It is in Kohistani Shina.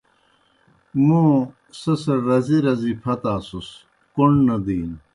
موں سیْسڑ رزی رزی پھتاسُس کوْݨ نہ دِینوْ۔